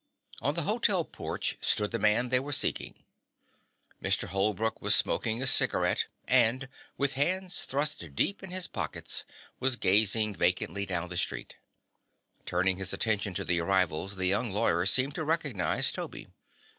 On the hotel porch stood the man they were seeking. Mr. Holbrook was smoking a cigarette and, with hands thrust deep in his pockets, was gazing vacantly down the street. Turning his attention to the arrivals the young lawyer seemed to recognize Toby.